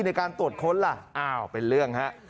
ในการตรวจค้นล่ะอ้าวเป็นเรื่องฮะ